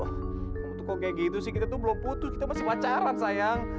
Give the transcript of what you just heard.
kalau tuh kok kayak gitu sih kita tuh belum putus kita masih pacaran sayang